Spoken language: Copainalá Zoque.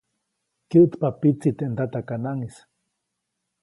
Kyäʼtpa pitsi teʼ ndatakanaʼŋʼis.